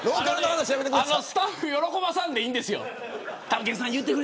スタッフ喜ばさんでいいんですよ。